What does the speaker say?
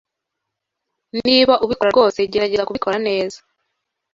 Niba ubikora rwose, gerageza kubikora neza.